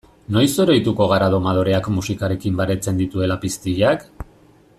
Noiz oroituko gara domadoreak musikarekin baretzen dituela piztiak?